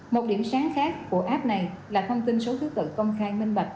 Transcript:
một điểm sáng khác của app này là thông tin số thứ tự công khai minh bạch